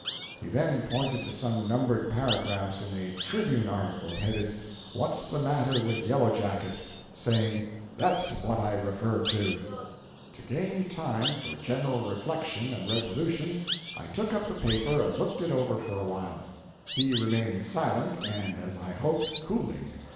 He then pointed to some numbered paragraphs in a TRIBUNE article, headed "What's the Matter with Yellow Jacket?" saying "That's what I refer to." To gain time for general reflection and resolution, I took up the paper and looked it over for awhile, he remaining silent, and as I hoped, cooling.